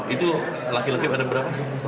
itu laki laki berapa